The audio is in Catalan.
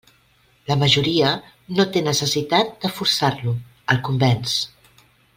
La majoria no té necessitat de forçar-lo; el convenç.